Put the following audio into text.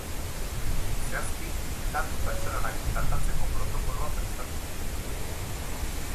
Zehazki, Datu pertsonalak tratatzeko protokoloa prestatu dugu.